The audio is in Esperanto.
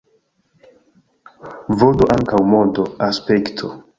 Vd ankaŭ modo, aspekto.